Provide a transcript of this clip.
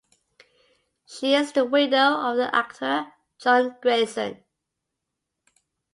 She is the widow of the actor John Gregson.